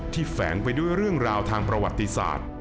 แฝงไปด้วยเรื่องราวทางประวัติศาสตร์